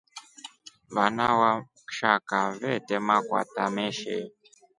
Vana wa kshaka vete makwata meshe.